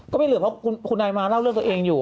ไม่เหลือเพราะคุณนายมาเล่าเรื่องตัวเองอยู่